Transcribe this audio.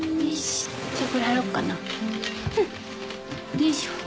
よいしょ。